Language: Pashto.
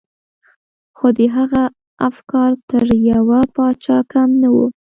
خو د هغه افکار تر يوه پاچا کم نه وو.